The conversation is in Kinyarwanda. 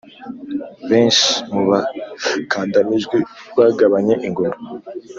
Benshi mu bakandamijwe bagabanye ingoma,